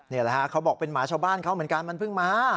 นี่แหละฮะเขาบอกเป็นหมาชาวบ้านเขาเหมือนกันมันเพิ่งมา